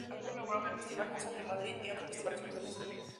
Ha colaborado en el Festival Mozart de Madrid y en otros festivales españoles.